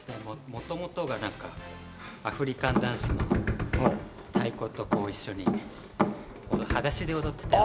もともとがアフリカンダンスの太鼓と、こう一緒に裸足で踊ってた。